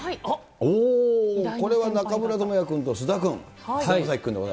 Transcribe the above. これは中村倫也君と菅田君。